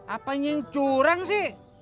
apanya yang curang sih